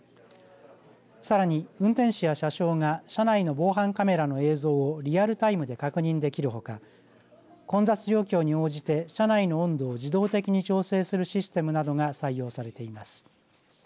さらに運転士や車掌が車内の防犯カメラの映像をリアルタイムで確認できるほか混雑状況に応じて車内の温度を自動的に調節するシステムなどが採用されています。